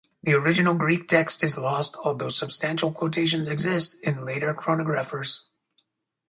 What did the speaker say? The original Greek text is lost, although substantial quotations exist in later chronographers.